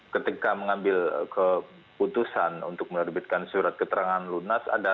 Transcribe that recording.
ketika mengambil keputusan untuk menerbitkan surat keterangan lunas